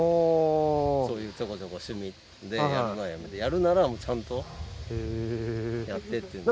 そういうちょこちょこ趣味でやるのはやめてやるならもうちゃんとやってっていうので。